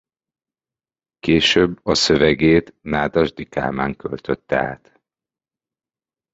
Később a szövegét Nádasdy Kálmán költötte át.